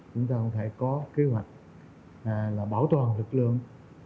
chúng ta có kế hoạch là bảo toàn lực lượng